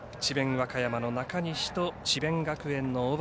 和歌山の中西と智弁学園の小畠